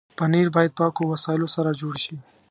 پنېر باید پاکو وسایلو سره جوړ شي.